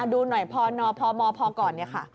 ดูหน่อยพนพมพอก่อนเนี่ยค่ะ